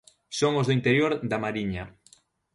Son os do interior da Mariña.